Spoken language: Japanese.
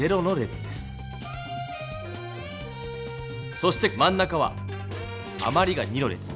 そしてまん中はあまりが２の列。